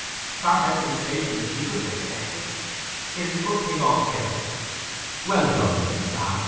Far better in station than she could have expected. It is a good thing, altogether.' 'Well done, little Sal!